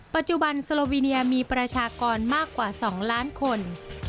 ปัจจุบันโซโลวีเนียมีประชากรมากกว่า๒ล้านคน